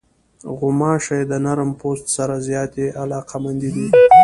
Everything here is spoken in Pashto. غوماشې د نرم پوست سره زیاتې علاقمندې دي.